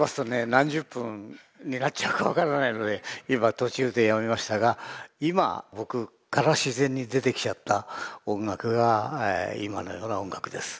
何十分になっちゃうか分からないので今途中でやめましたが今僕から自然に出てきちゃった音楽が今のような音楽です。